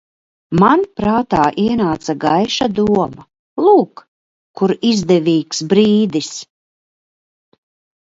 Man prātā ienāca gaiša doma: lūk, kur izdevīgs brīdis!